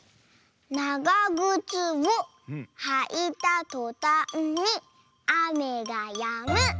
「ながぐつをはいたとたんにあめがやむ」。